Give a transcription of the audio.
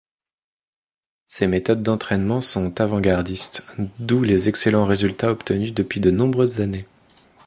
Ses méthodes d'entraînements sont avant-gardistes, d'où les excellents résultats obtenus depuis de nombreuses années.